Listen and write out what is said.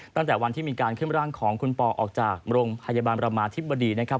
ตั้งแต่วันที่มีการขึ้นร่างของคุณปอออกจากโรงพยาบาลประมาธิบดีนะครับ